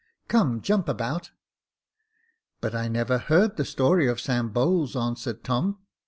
Come, jump about," " But I never heard the story of Sam Bowles," answered Tom.